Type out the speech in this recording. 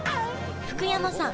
福山さん